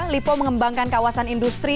lipo mengembangkan kawasan industri